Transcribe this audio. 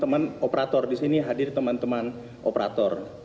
teman teman operator disini hadir teman teman operator